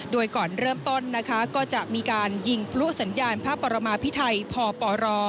โดยก่อนเริ่มต้นนะคะก็จะมีการยิงพลุสัญญาณพระปรมาพิไทยพปร